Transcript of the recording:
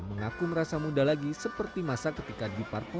mengaku merasa muda lagi seperti masa ketika deep purple